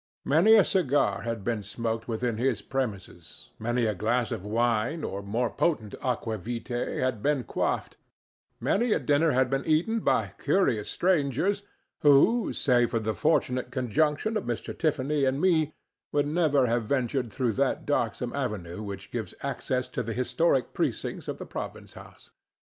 Many a cigar had been smoked within his premises, many a glass of wine or more potent aqua vitæ had been quaffed, many a dinner had been eaten, by curious strangers who, save for the fortunate conjunction of Mr. Tiffany and me, would never have ventured through that darksome avenue which gives access to the historic precincts of the Province House.